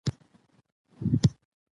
په ټولنه کې آرامش د تعلیم له امله ممکن دی.